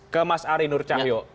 ke mas ari nur cahyo